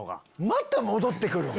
また戻って来るん？